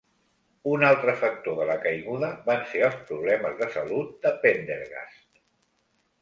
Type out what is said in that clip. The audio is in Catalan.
Una altre factor de la caiguda van ser els problemes de salut de Pendergast.